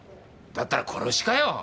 だったら殺しかよ？